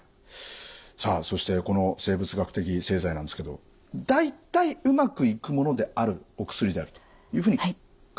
さあそしてこの生物学的製剤なんですけど大体うまくいくものであるお薬であるというふうに考えていいんですかね。